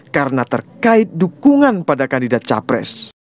karena terkait dukungan pada kandidat capres